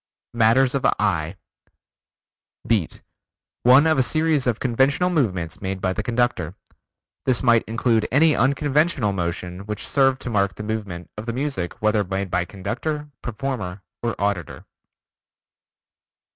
Matters of Eye Beat: One of a series of conventional movements made by the conductor. This might include any unconventional motion which served to mark the movement of the music, whether made by conductor, performer or auditor.